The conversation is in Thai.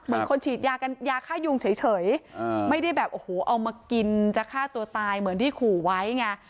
เหมือนคนฉีดยากันยาฆ่ายุงเฉยไม่ได้แบบโอ้โหเอามากินจะฆ่าตัวตายเหมือนที่ขู่ไว้ไง